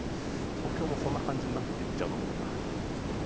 東京もそんな感じになっていっちゃうのかもなと。